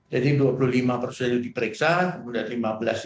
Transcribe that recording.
jadi dua puluh lima personil diperiksa kemudian lima belas itu selesai